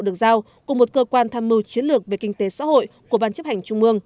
được giao cùng một cơ quan tham mưu chiến lược về kinh tế xã hội của ban chấp hành trung mương